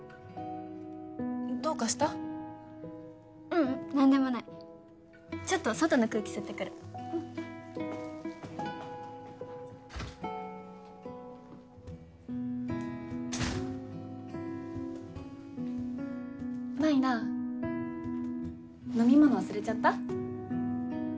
ううん何でもないちょっと外の空気吸ってくるうん舞菜飲み物忘れちゃった？